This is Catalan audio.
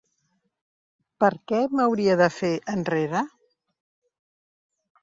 ¿Per què m'hauria de fer enrere?